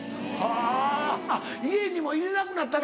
あっ家にも入れなくなったの。